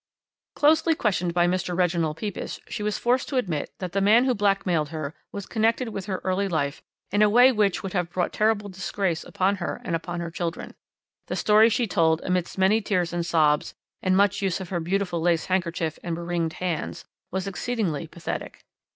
"Closely questioned by Mr. Reginald Pepys, she was forced to admit that the man who blackmailed her was connected with her early life in a way which would have brought terrible disgrace upon her and upon her children. The story she told, amidst many tears and sobs, and much use of her beautiful lace handkerchief and beringed hands, was exceedingly pathetic.